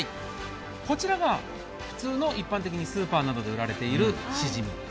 こちらが普通の一般的なスーパーなどで売られているシジミ